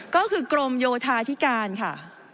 ก็คือกรมโยธาธิการค่ะ